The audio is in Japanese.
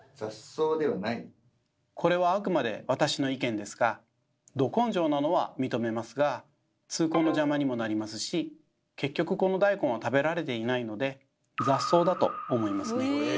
これはあくまで私の意見ですがど根性なのは認めますが通行の邪魔にもなりますし結局この大根は食べられていないので雑草だと思いますね。